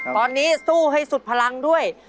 ตอนนี้สู้ให้สุดพลังด้วย